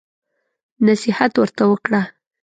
نصيحت ورته وکړه.